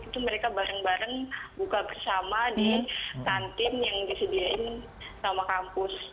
itu mereka bareng bareng buka bersama di kantin yang disediain sama kampus